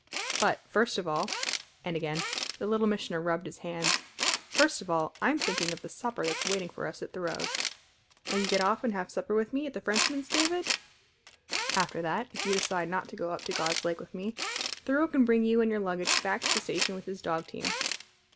But, first of all" and again the Little Missioner rubbed his hands "first of all, I'm thinking of the supper that's waiting for us at Thoreau's. Will you get off and have supper with me at the Frenchman's, David? After that, if you decide not to go up to God's Lake with me, Thoreau can bring you and your luggage back to the station with his dog team.